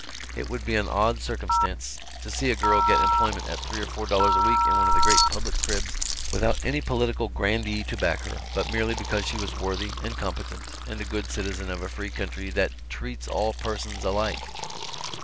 It would be an odd circumstance to see a girl get employment at three or four dollars a week in one of the great public cribs without any political grandee to back her, but merely because she was worthy, and competent, and a good citizen of a free country that "treats all persons alike."